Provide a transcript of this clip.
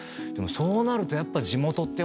でもそうなるとやっぱ。